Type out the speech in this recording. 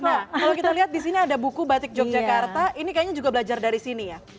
nah kalau kita lihat di sini ada buku batik yogyakarta ini kayaknya juga belajar dari sini ya